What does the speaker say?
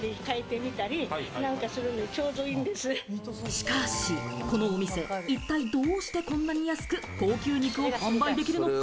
しかし、このお店、一体どうしてこんなに安く高級肉を販売できるのか？